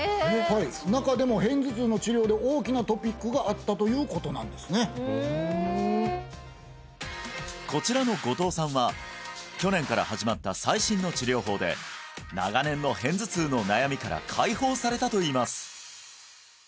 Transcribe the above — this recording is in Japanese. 中でもということなんですねこちらの後藤さんは去年から始まった最新の治療法で長年の片頭痛の悩みから解放されたといいます